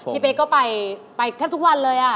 พี่เป๊กก็ไปแทบทุกวันเลย